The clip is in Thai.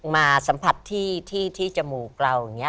มาสัมผัสที่จมูกเราอย่างนี้